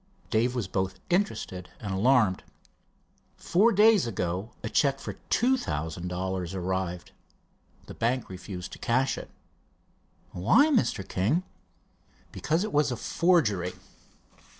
Dave was both interested and alarmed. "Four days ago a check for two thousand dollars arrived. The bank refused to cash it." "Why, Mr. King?" "Because it was a forgery."